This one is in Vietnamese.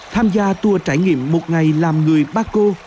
tham gia tour trải nghiệm một ngày làm người ba cô